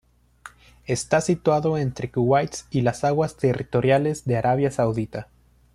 Está situado entre Kuwait y las aguas territoriales de Arabia Saudita.